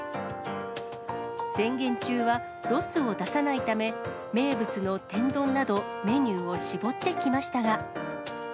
宣言中はロスを出さないため、名物の天丼など、メニューを絞ってきましたが。